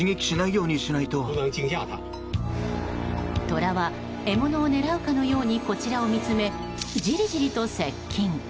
トラは獲物を狙うかのようにこちらを見つめじりじりと接近。